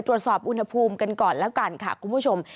ตรวจสอบอุณหภูมิกันก่อนแล้วกันค่ะคุณผู้ชม